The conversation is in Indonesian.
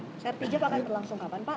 rtjp akan terlangsung kapan pak